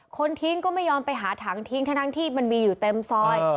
คนทิ้งก็ไม่ยอมไปหาถังทิ้งทั้งที่มันมีอยู่เต็มซอย